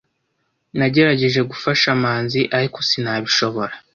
Nagerageje gufasha manzi, ariko sinabishobora.